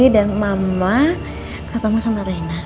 dan mama ketemu sama reina